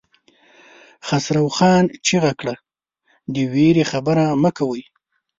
خسرو خان چيغه کړه! د وېرې خبرې مه کوئ!